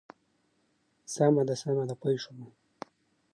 بادي انرژي د افغانستان د سیلګرۍ د صنعت یوه برخه ده.